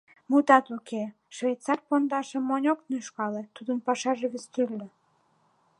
Мутат уке, швейцар пондашым монь ок нӱжкале, тудын пашаже вес тӱрлӧ.